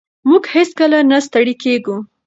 موږ هېڅکله نه ستړي کېږو.